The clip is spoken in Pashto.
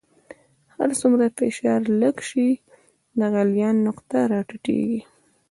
هر څومره چې فشار لږ شي د غلیان نقطه را ټیټیږي.